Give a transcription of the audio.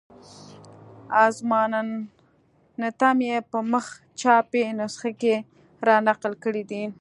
اظماننتم یې په مخ چاپي نسخه کې را نقل کړی دی.